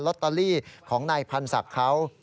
ตเตอรี่ของนายพันธ์ศักดิ์เขา